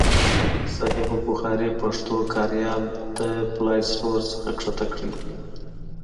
صحیح البخاري پښتو کاریال د پلای سټور څخه کښته کړئ.